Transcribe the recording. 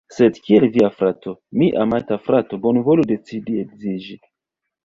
Sed kiel via frato, mi amata frato, bonvolu decidi edziĝi